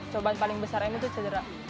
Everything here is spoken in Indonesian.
coba paling besar ini tuh cedera